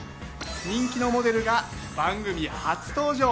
人気のモデルが番組初登場。